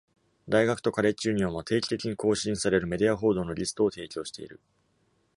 大学とカレッジユニオンは、定期的に更新されるメディア報道のリストを提供している。